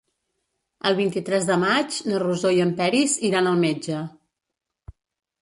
El vint-i-tres de maig na Rosó i en Peris iran al metge.